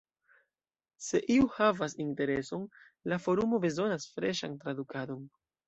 Se iu havas intereson, la forumo bezonas freŝan tradukadon.